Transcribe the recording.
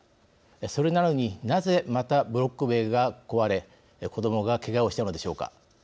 それなのになぜ、またブロック塀が壊れ子どもがけがをしたのでしょうか。